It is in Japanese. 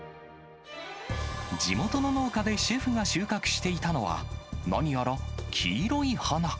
地元の農家でシェフが収穫していたのは、何やら黄色い花。